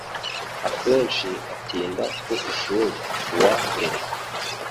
Akenshi atinda ku ishuri ku wa mbere.